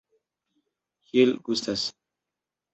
Kiel gustas?